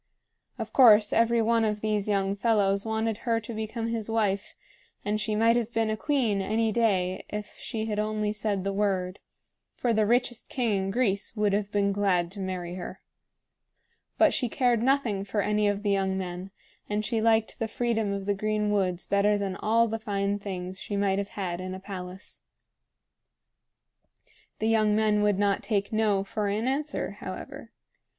Of course every one of these young fellows wanted her to become his wife; and she might have been a queen any day if she had only said the word, for the richest king in Greece would have been glad to marry her. But she cared nothing for any of the young men, and she liked the freedom of the green woods better than all the fine things she might have had in a palace. The young men would not take "No!" for an answer, however.